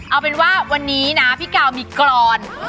เอาเป็นว่าวันนี้นะพี่กาวมีกรอน